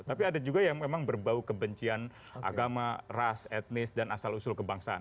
tapi ada juga yang memang berbau kebencian agama ras etnis dan asal usul kebangsaan